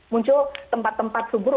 muncul tempat tempat subur